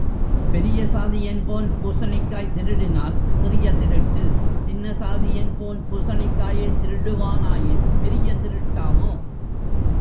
பெரிய சாதி என்போன் பூசணிக்காய் திருடினால் சிறிய திருட்டு, சின்னசாதி என்போன் பூசணிக்காயைத் திருடுவானாயின் பெரிய திருட்டாமோ.